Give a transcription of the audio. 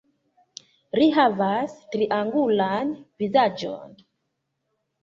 Li havas triangulan vizaĝon.